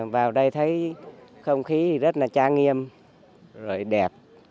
vào đây thấy không khí rất là trang nghiêm rồi đẹp